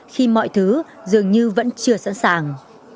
khi mọi thứ dường như vẫn chưa sẵn sàng